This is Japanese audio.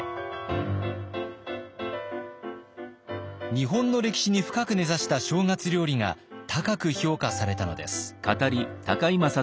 日本の歴史に深く根ざした正月料理が高く評価されたのです。